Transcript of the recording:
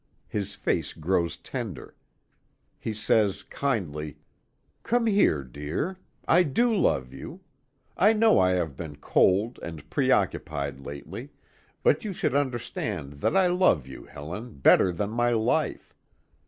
His face grows tender. He says kindly: "Come here, dear. I do love you. I know I have been cold and preoccupied lately, but you should understand that I love you, Helen, better than my life.